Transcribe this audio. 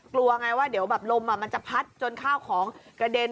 กลัวไงว่าเดี๋ยวแบบลมมันจะพัดจนข้าวของกระเด็น